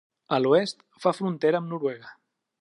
A l'oest fa frontera amb Noruega.